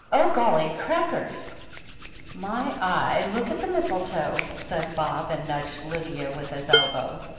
"Oh, golly ! crackers !" "My eye, look at the mistletoe!" said Bob, and nudged Lydia with his elbow.